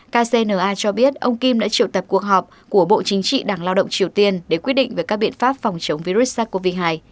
kcna cho biết ông kim đã triệu tập cuộc họp của bộ chính trị đảng lao động triều tiên để quyết định về các biện pháp phòng chống virus sars cov hai